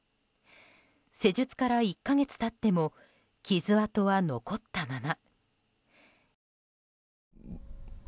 施術から１か月経っても傷跡は残ったまま。